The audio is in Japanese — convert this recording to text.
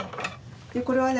これはね